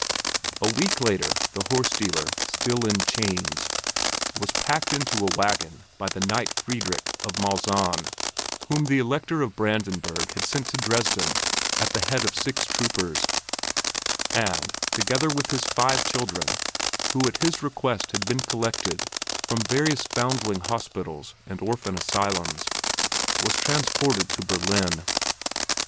A week later the horse dealer, still in chains, was packed into a wagon by the Knight Friedrich of Malzahn, whom the Elector of Brandenburg had sent to Dresden at the head of six troopers; and, together with his five children, who at his request had been collected from various foundling hospitals and orphan asylums, was transported to Berlin.